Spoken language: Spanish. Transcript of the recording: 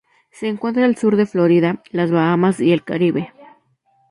Se encuentra al sur de Florida, las Bahamas y el Caribe.